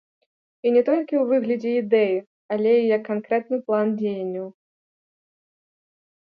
І не толькі ў выглядзе ідэі, але і як канкрэтны план дзеянняў.